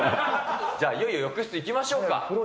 じゃあ、いよいよ浴室行きましょうか。